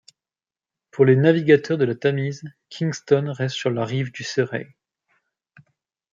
Pour les navigateurs de la Tamise, Kingston reste sur la rive du Surrey.